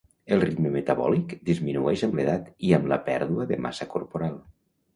El ritme metabòlic disminueix amb l'edat i amb la pèrdua de massa corporal.